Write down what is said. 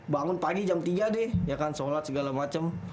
bangun pagi jam tiga deh ya kan sholat segala macam